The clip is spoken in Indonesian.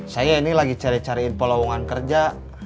saya ini lagi cari cari inpol lowongan kerja